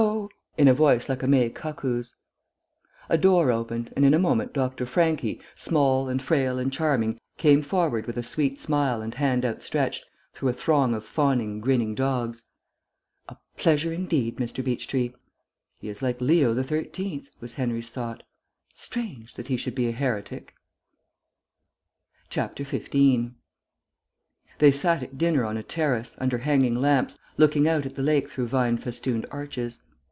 in a voice like a May cuckoo's. A door opened, and in a moment Dr. Franchi, small and frail and charming, came forward with a sweet smile and hand outstretched, through a throng of fawning, grinning dogs. "A pleasure indeed, Mr. Beechtree." "He is like Leo XIII.," was Henry's thought. "Strange, that he should be a heretic!" 15 They sat at dinner on a terrace, under hanging lamps, looking out at the lake through vine festooned arches.